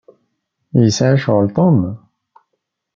Yesɛa ccɣel Tom.